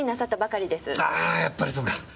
あやっぱりそうか！